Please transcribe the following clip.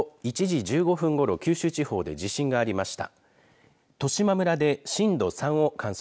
１時１５分ごろ九州地方で地震がありました。